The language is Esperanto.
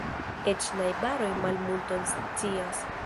Eĉ najbaroj malmulton scias.